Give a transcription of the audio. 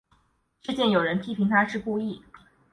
事件有人批评她是故意。